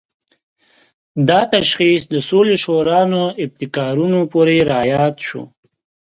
دا تشخیص د سولې شورا نوو ابتکارونو پورې راياد شو.